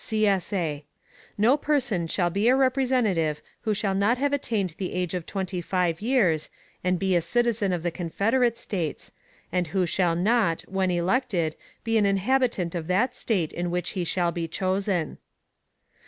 [CSA] No person shall be a Representative who shall not have attained the age of twenty five years, and be a citizen of the Confederate States, and who shall not, when elected, be an inhabitant of that State in which he shall be chosen.